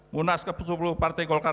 munas ke sepuluh partai golkar